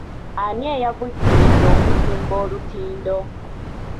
Ani eyavujjiridde okuzimba olutindo?